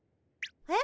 え？